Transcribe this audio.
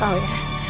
kamu harus tau ya